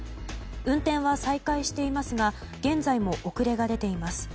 運転は再開していますが現在も遅れが出ています。